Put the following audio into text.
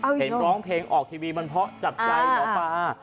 เห็นร้องเพลงออกทีวีมันเพราะจับใจหมอปลา